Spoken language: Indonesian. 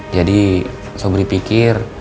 jadi sobri pikir